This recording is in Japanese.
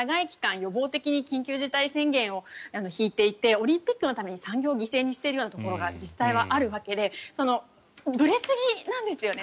予防的に緊急事態宣言を引いていてオリンピックのために産業を犠牲にしているようなところが実際はあるわけでぶれすぎなんですよね。